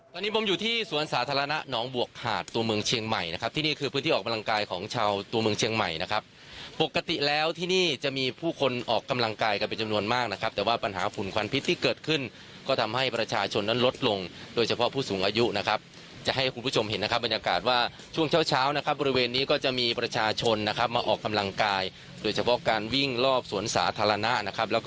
ตอนนี้ผมอยู่ที่สวนสาธารณะน้องบวกหาดตัวเมืองเชียงใหม่นะครับที่นี่คือพื้นที่ออกกำลังกายของชาวตัวเมืองเชียงใหม่นะครับปกติแล้วที่นี่จะมีผู้คนออกกำลังกายกันเป็นจำนวนมากนะครับแต่ว่าปัญหาฝุ่นควันพิษที่เกิดขึ้นก็ทำให้ประชาชนนั้นลดลงโดยเฉพาะผู้สูงอายุนะครับจะให้คุณผู้ชมเห็นนะครับบ